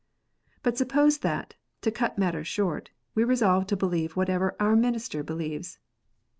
But suppose that, to cut matters short, we resolve to believe whatever our minister believes.